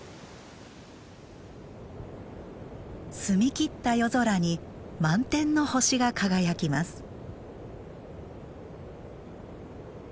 澄み切った夜空に満天の星が輝きます。